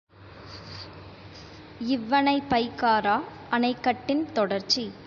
இவ்வணை பைக்காரா அணைக்கட்டின் தொடர்ச்சி.